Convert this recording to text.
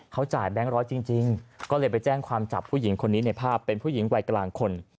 เขาจ่ายแบงค์ร้อยจริงก็เลยไปแจ้งความจับผู้หญิงคนนี้ในภาพเป็นผู้หญิงวัยกลางคน